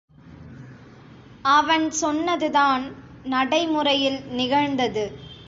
அவன் சொன்னதுதான் நடைமுறையில் நிகழ்ந்தது.